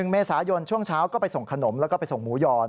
เมษายนช่วงเช้าก็ไปส่งขนมแล้วก็ไปส่งหมูยอน